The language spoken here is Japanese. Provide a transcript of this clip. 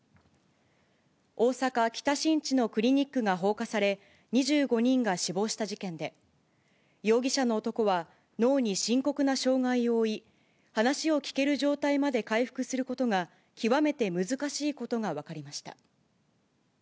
大阪・北新地のクリニックが放火され、２５人が死亡した事件で、容疑者の男は、脳に深刻な障がいを負い、話を聞ける状態まで回復することが、極めて難しいことが分かりました。